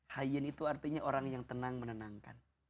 hayin itu artinya orang yang tenang menenangkan